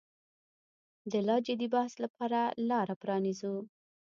د لا جدي بحث لپاره لاره پرانیزو.